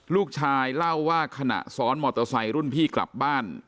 ลูกชายเล่าว่าขณะซ้อนมอเตอร์ไซค์รุ่นพี่กลับบ้าน